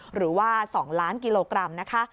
หรือว่า๒ล้านกิโลกรัมนะคะ